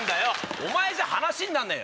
お前じゃ話になんねえよ！